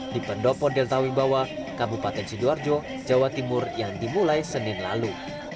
di pendopo delta wimbawa kabupaten sidoarjo jawa timur yang dimulai senin lalu